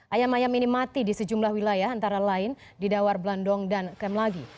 ayam ayam ini mati di sejumlah wilayah antara lain di dawar blandong dan kemlagi